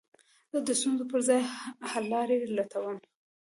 زه د ستونزو پر ځای، حللاري لټوم.